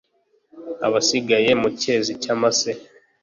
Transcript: Abasigaye mu cyezi cyamase